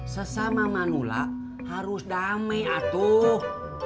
sesama manula harus damai atuh